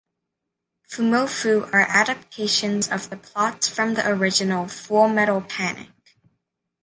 Fumoffu" are adaptations of plots from the original "Full Metal Panic!